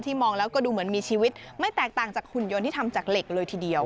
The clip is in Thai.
มองแล้วก็ดูเหมือนมีชีวิตไม่แตกต่างจากหุ่นยนต์ที่ทำจากเหล็กเลยทีเดียว